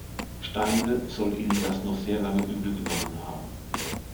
Steimle soll ihnen das noch sehr lange übel genommen haben.